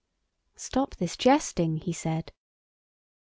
"Stop this jesting," he said.